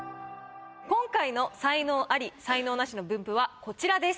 今回の才能アリ・才能ナシの分布はこちらです。